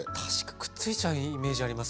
くっついちゃうイメージあります。